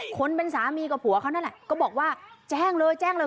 คนเป็นสามีกับผัวเขานั่นแหละก็บอกว่าแจ้งเลยแจ้งเลย